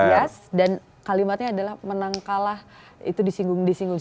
tegas dan kalimatnya adalah menang kalah itu disinggung disinggung